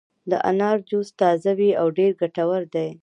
د انارو جوس تازه وي او ډېر ګټور دی.